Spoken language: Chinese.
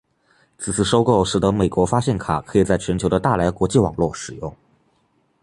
此次收购使得美国发现卡可以在全球的大来国际网络使用。